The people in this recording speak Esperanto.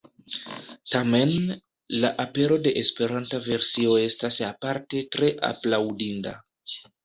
Tamen la apero de esperanta versio estas aparte tre aplaŭdinda.